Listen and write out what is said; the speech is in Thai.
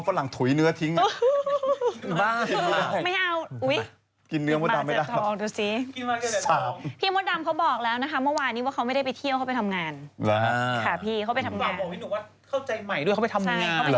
พี่รัสเซียนะส่งพี่มดดำไปรัสเซียเหรอ